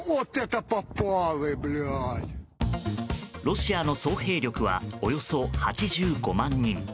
ロシアの総兵力はおよそ８５万人。